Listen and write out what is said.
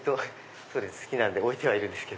好きなんで置いているんです。